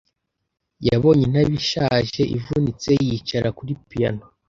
Yabonye intebe ishaje, ivunitse yicara kuri piyano.